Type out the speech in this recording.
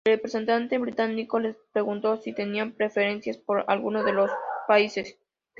El representante británico les preguntó si tenían preferencias por alguno de los dos países.